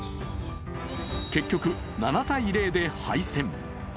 結局、７−０で敗戦。